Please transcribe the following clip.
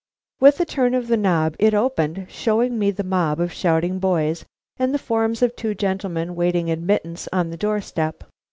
With a turn of the knob it opened, showing me the mob of shouting boys and the forms of two gentlemen awaiting admittance on the door step.